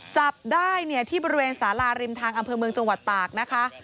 จับได้ที่บริเวณสาราริมทางอำเภอเมืองจังหวัดตากนะคะ